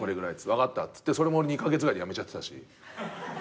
分かったっつってそれも２カ月ぐらいでやめちゃってたし。